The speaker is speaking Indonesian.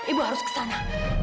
ibu harus kesana